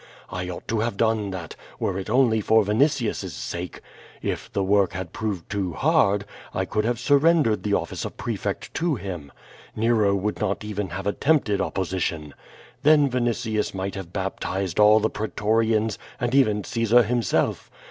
I ought to have done that, were it only for Vinitius's sake. If the work had proved too hard, I could have surrendered the office of prefect to him. Nero would not even have attempted opposition. Then Vinitius might have baptized all the pretorians and even Caesar himself.